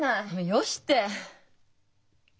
よして！